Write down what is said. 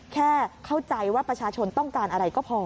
แค่เข้าใจว่าประชาชนต้องการอะไรก็พอ